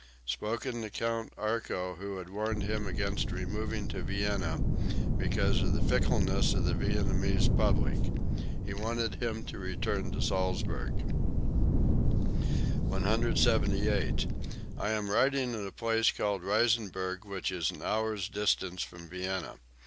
(Spoken to Count Arco who had warned him against removing to Vienna because of the fickleness of the Viennese public. He wanted him to return to Salzburg.) 178. "I am writing at a place called Reisenberg which is an hour's distance from Vienna.